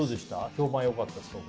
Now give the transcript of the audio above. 評判よかったでしょう